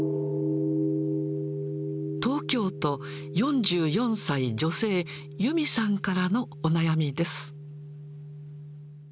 東京都４４歳女性、ゆみさんからのお悩みです。